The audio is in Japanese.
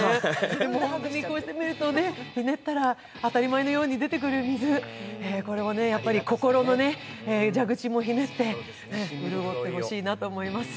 でも、こうして見るとひねったら当たり前のように出てくる水心の蛇口もひねって潤ってほしいなと思います。